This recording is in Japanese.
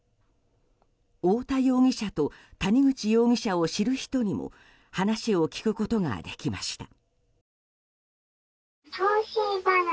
太田容疑者と谷口容疑者を知る人にも話を聞くことができました。